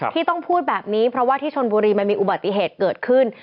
ที่ต้องพูดแบบนี้เพราะว่าที่ชนบุรีมันมีอุบัติเหตุเกิดขึ้น